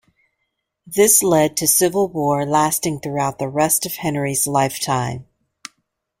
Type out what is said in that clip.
This led to civil war lasting throughout the rest of Henry's lifetime.